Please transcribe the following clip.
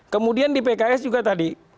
kemudian di pks juga tadi